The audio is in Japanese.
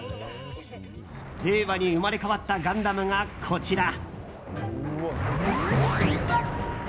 令和に生まれ変わった「ガンダム」がこちら。